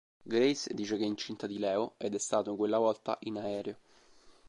Grace dice che è incinta di Leo ed è stato quella volta in aereo.